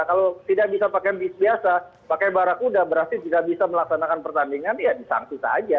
kalau tidak bisa pakai bis biasa pakai barakuda berarti tidak bisa melaksanakan pertandingan ya disangsi saja